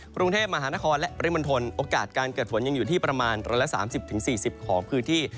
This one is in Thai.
กรุงเทพมหานครและปริมณฑลโอกาสการเกิดฝนยังอยู่ที่ประมาณ๑๓๐๔๐ของพื้นที่